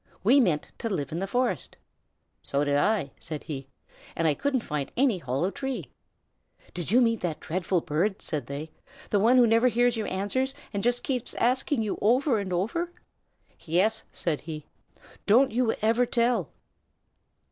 We meant to live in the forest." "So did I," said he. "And I couldn't find any hollow tree." "Did you meet that dreadful bird?" said they, "the one who never hears your answers and keeps asking you over and over?" "Yes," said he. "Don't you ever tell!"